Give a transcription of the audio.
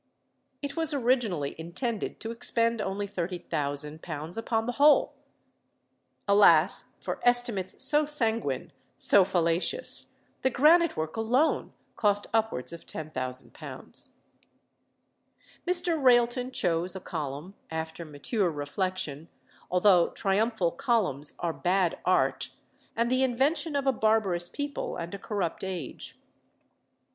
It was originally intended to expend only £30,000 upon the whole. Alas for estimates so sanguine, so fallacious! the granite work alone cost upwards of £10,000. Mr. Railton chose a column, after mature reflection; although triumphal columns are bad art, and the invention of a barbarous people and a corrupt age.